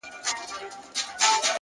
وخت د سمو پرېکړو ارزښت زیاتوي!